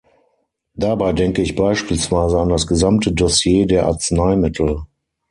Dabei denke ich beispielsweise an das gesamte Dossier der Arzneimittel.